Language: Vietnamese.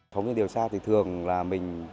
không như điều xa thì thường là mình